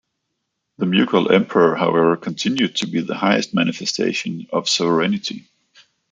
The Mughal Emperor, however, continued to be the highest manifestation of sovereignty.